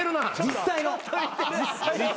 実際の？